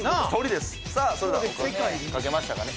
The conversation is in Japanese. さあそれでは書けましたかね？